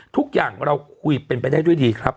ทุกอย่างเราคุยเป็นไปได้ด้วยดีครับ